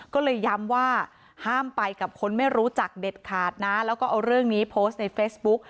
ก็เลยย้ำว่าห้ามไปกับคนไม่รู้จักเด็ดขาดนะแล้วก็เอาเรื่องนี้โพสต์ในเฟซบุ๊ก